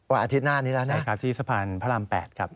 อาทิตย์หน้านี้แล้วนะครับที่สะพานพระราม๘ครับ